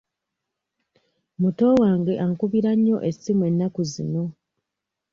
Muto wange ankubira nnyo essimu ennaku zino.